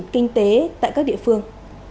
kinh tế tại các địa phương